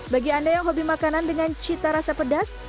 bagi anda yang hobi makanan dengan cita rasa pedas